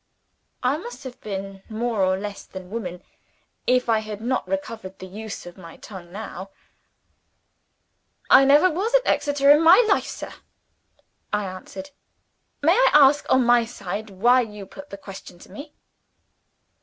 (I must have been more or less than woman, if I had not recovered the use of my tongue now!) "I never was at Exeter in my life, sir," I answered. "May I ask, on my side, why you put the question to me?"